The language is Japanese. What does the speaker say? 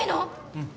うん。